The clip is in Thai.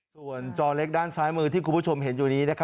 ส่วนจอเล็กด้านซ้ายมือที่คุณผู้ชมเห็นอยู่นี้